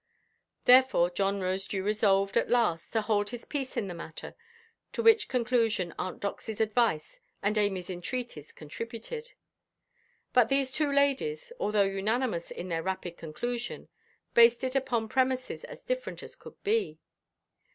Therefore John Rosedew resolved, at last, to hold his peace in the matter; to which conclusion Aunt Doxyʼs advice and Amyʼs entreaties contributed. But these two ladies, although unanimous in their rapid conclusion, based it upon premises as different as could be.